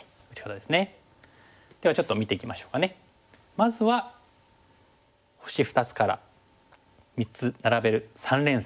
まずは星２つから３つ並べる三連星。